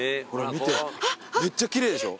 見てめっちゃ奇麗でしょ。